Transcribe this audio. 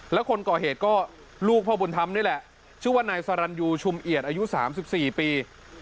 แล้วคนก่อเหตุก็ลูกพ่อบุญธรรมนี่แหละชื่อว่านายสรรยูชุมเอียดอายุ๓๔ปี